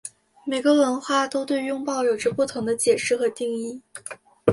每个文化都对拥抱有着不同的解释和定义。